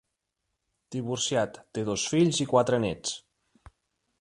Divorciat, té dos fills i quatre néts.